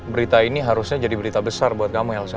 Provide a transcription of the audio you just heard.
berita ini harusnya jadi berita besar buat kamu elsa